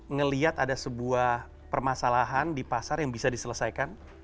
ngelihat ada sebuah permasalahan di pasar yang bisa diselesaikan